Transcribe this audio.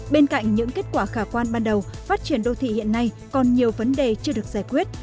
bên cạnh những kết quả khả quan ban đầu phát triển đô thị hiện nay còn nhiều vấn đề chưa được giải quyết